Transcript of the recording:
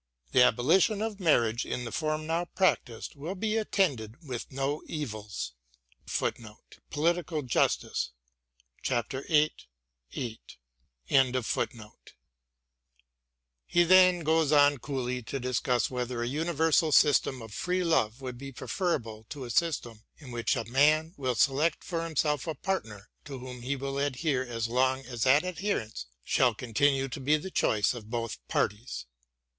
The abolition of marriage in the form now practised will be attended with no evils.* He then goes on coolly to discuss whether a universal system of free love would be preferable to a system in which a " man will select for himself a partner to whom he will adhere as long as that adherence shall continue to be the choice of both parties."